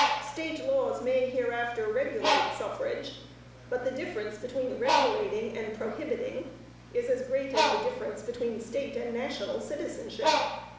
State laws may hereafter regulate suffrage, but the difference between regulating and prohibiting, is as great as the difference between state and national citizenship.